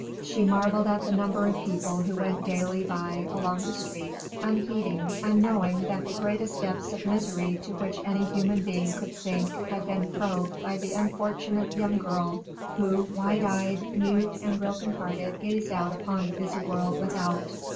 She marvelled at the number of people who went gaily by along the streets, unheeding, unknowing that the greatest depths of misery to which any human being could sink had been probed by the unfortunate young girl who wide eyed, mute and broken hearted gazed out upon the busy world without.